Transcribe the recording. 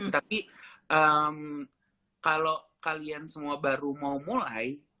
tapi kalau kalian semua baru mau mulai